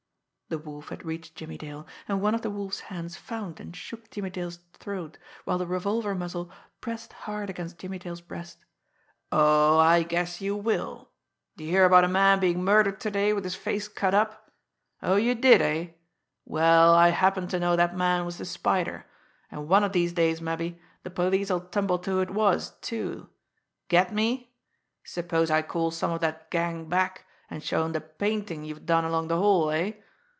The Wolf had reached Jimmie Dale, and one of the Wolf's hands found and shook Jimmie Dale's throat, while the revolver muzzle pressed hard against Jimmie Dale's breast. "Oh, I guess you will! D'ye hear about a man being murdered to day with his face cut up? Oh, you did eh? Well, I happen to know that man was the Spider, and one of these days, mabbe, the police'll tumble to who it was, too. Get me? Suppose I call some of that gang back, and show 'em the painting you've done along the hall eh?